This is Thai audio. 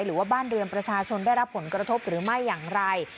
หรือว่าบ้านเรือนประชาชนได้รับผลกระทบหรือไม่อย่างไร